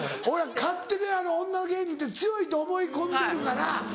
俺勝手で女芸人って強いって思い込んでるから。